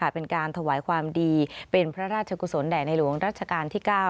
เป็นการถวายความดีเป็นพระราชกุศลแด่ในหลวงรัชกาลที่๙